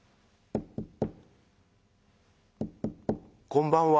「こんばんは。